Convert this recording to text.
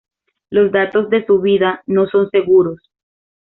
Los datos de su vida no son seguros.